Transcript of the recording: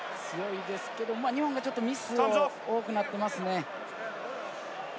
強いですけれど、日本のミスが多くなっていますね。